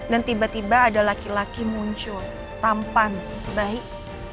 dan tiba tiba ada laki laki muncul tampan baik